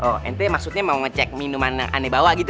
oh entry maksudnya mau ngecek minuman aneh bawa gitu